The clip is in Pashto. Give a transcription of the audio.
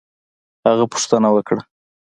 هغه پوښتنه وکړه